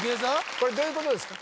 これどういうことですか？